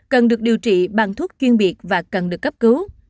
cần được điều trị bằng thuốc chuyên biệt và cần được cấp cứu